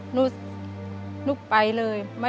หนูไปเลย